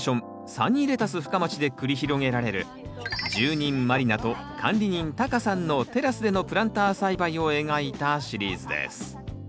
サニーレタス深町で繰り広げられる住人満里奈と管理人タカさんのテラスでのプランター栽培を描いたシリーズです。